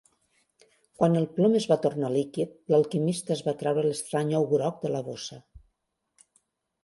Quan el plom es va tornar líquid, l'alquimista es va treure l'estrany ou groc de la bossa.